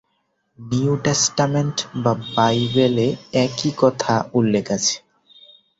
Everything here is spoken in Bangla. নিউ টেস্টামেন্ট বা বাইবেল এ একই কথা উল্লেখ আছে।